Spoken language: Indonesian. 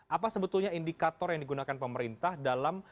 apa sebetulnya indikator yang digunakan pemerintah dalam